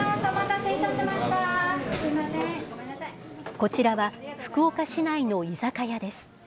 こちらは、福岡市内の居酒屋です。